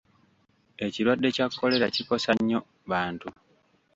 Ekirwadde kya Kkolera kikosa nnyo bantu.